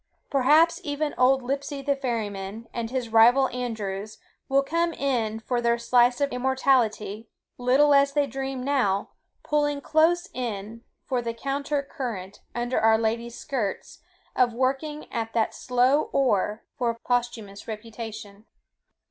Perhaps even old Lipsey the ferryman, and his rival Andrews, will come in for their slice of immortality, little as they dream now, pulling close in for the counter current under our Lady's skirts, of working at that slow oar for posthumous reputation.